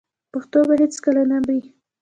پښتو به هیڅکله نه مري.